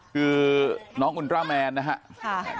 คือน้องอุลตราแมนนะครับ